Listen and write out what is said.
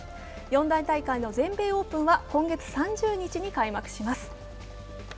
四大大会の全米オープンは今月３０日に開幕します。